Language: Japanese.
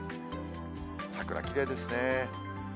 桜、きれいですね。